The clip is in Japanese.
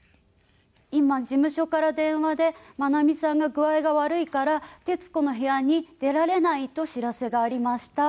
「今事務所から電話で眞奈美さんが具合が悪いから『徹子の部屋』に出られないと知らせがありました」。